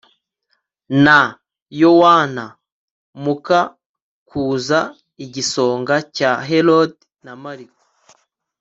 na yowana muka kuza igisonga cya herode na mariko